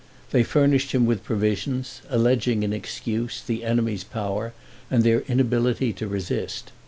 They furnished him with provisions, alleging in excuse, the enemy's power and their inability to resist.